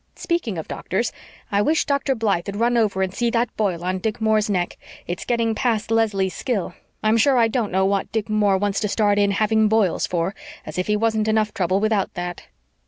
Speaking of doctors, I wish Dr. Blythe'd run over and see to that boil on Dick Moore's neck. It's getting past Leslie's skill. I'm sure I don't know what Dick Moore wants to start in having boils for as if he wasn't enough trouble without that!"